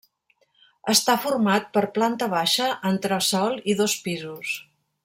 Està format per planta baixa, entresòl i dos pisos.